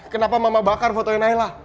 kenapa mama bakar fotonya naila